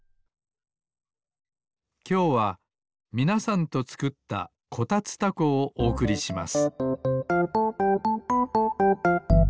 きょうはみなさんとつくった「こたつたこ」をおおくりします